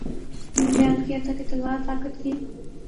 یوں بیان کیا تھا کہ تلوار طاقت کی